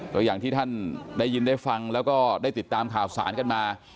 ก็อย่างที่ท่านได้ยินได้ฟังแล้วก็ได้ติดตามข่าวสารกันมา